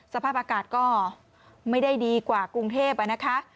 สภาพอากาศก็ไม่ได้ดีกว่ากรุงเทพนะคะ